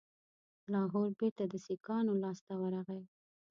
لاهور بیرته د سیکهانو لاسته ورغی.